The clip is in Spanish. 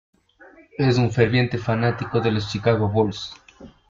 Es un ferviente fanático de los Chicago Bulls.